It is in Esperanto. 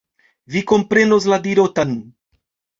Vi komprenos la dirotan.